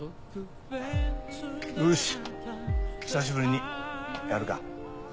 よし久しぶりにやるか。